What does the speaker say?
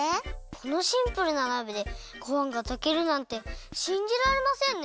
このシンプルな鍋でごはんがたけるなんてしんじられませんね！